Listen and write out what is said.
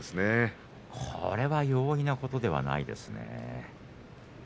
これは容易なことではありませんね。